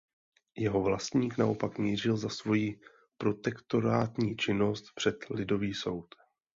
Jeho vlastník naopak mířil za svoji protektorátní činnost před lidový soud.